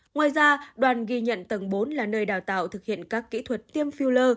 ngoài ra đoàn ghi nhận tầng bốn là nơi đào tạo thực hiện các kỹ thuật tiêm phiêu lơ